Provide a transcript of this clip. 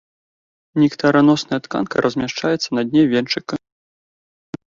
Нектараносная тканка размяшчаецца на дне венчыка.